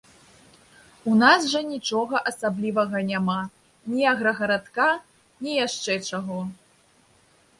У нас жа нічога асаблівага няма, ні аграгарадка, ні яшчэ чаго.